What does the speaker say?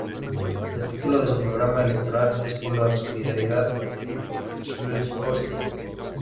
El título de su programa electoral es "Por la solidaridad en Schleswig-Holstein.